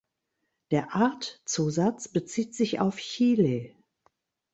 Der Artzusatz bezieht sich auf Chile.